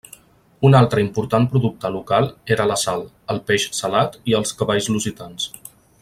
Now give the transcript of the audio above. Un altre important producte local era la sal, el peix salat i els cavalls lusitans.